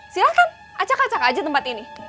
silahkan acak acak aja tempat ini